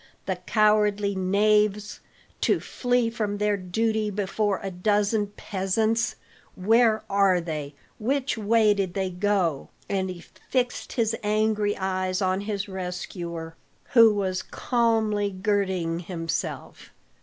"The cowardly knaves! to flee from their duty before a dozen peasants, where are they? Which way did they go?" And he fixed his angry eyes on his rescuer, who was calmly girding himself.